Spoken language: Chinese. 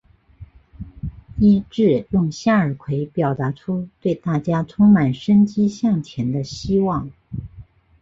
伊秩用向日葵表达出对大家充满生机向前的希望。